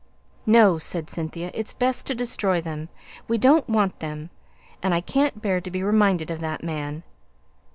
"No," said Cynthia; "it's best to destroy them. We don't want them; and I can't bear to be reminded of that man."